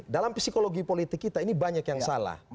dalam psikologi politik kita ini banyak yang salah